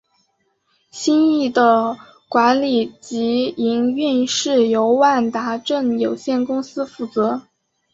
新翼的管理及营运是由万达镇有限公司负责。